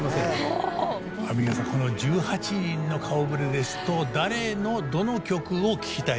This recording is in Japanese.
皆さんこの１８人の顔ぶれですと誰のどの曲を聴きたいと思います？